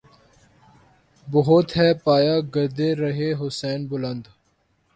بہت ہے پایۂ گردِ رہِ حسین بلند